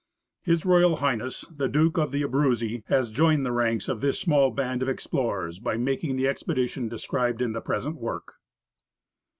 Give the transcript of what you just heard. H.R. H. the Duke of the Abruzzi has joined the ranks of this small band of explorers, by making the expedition described in the present work.